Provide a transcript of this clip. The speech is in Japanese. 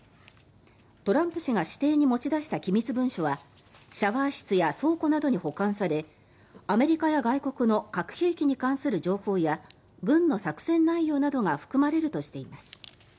トランプ氏が私邸に持ち出した機密文書はシャワー室や倉庫などに保管されアメリカや外国の核兵器に関する情報や軍の作戦内容が含まれるとしています。